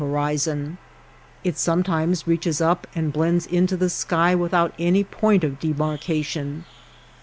horizon ; it sometimes reaches up and blends into the sky without any point of demarcation.